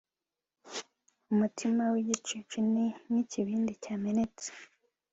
umutima w'igicucu ni nk'ikibindi cyamenetse